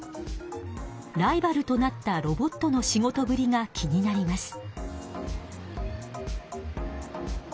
ライバルとなったロボットの仕事ぶりが気になります。